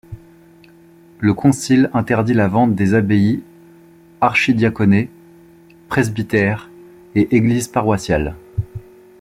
Le concile interdit la vente des abbayes, archidiaconés, presbytères et églises paroissiales.